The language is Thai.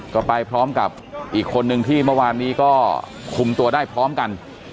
ก็ไปพร้อมกับอีกคนนึงที่เมื่อวานนี้ก็คุมตัวได้พร้อมกัน